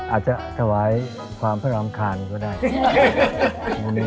อาจจะถวายความพระรำคาญก็ได้